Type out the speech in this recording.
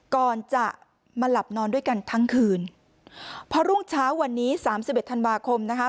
ก่อนจะมาหลับนอนด้วยกันทั้งคืนพอรุ่งเช้าวันนี้สามสิบเอ็ดธันวาคมนะคะ